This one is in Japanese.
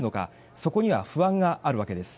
そこには不安があるわけです。